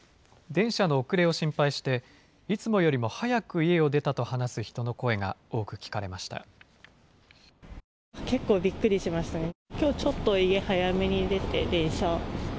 電車の遅れを心配して、いつもよりも早く家を出たと話す人の声が多く聞かれました。